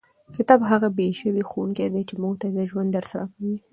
کتاب هغه بې ژبې ښوونکی دی چې موږ ته د ژوند درس راکوي.